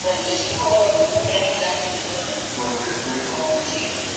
La premisa es que estos animales valen más vivos que muertos.